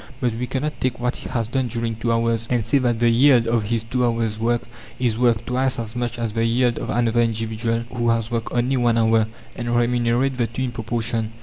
But we cannot take what he has done during two hours, and say that the yield of his two hours' work is worth twice as much as the yield of another individual, who has worked only one hour, and remunerate the two in proportion.